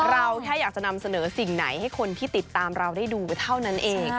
เราแค่อยากจะนำเสนอสิ่งไหนให้คนที่ติดตามเราได้ดูเท่านั้นเอง